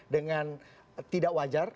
dengan tidak wajar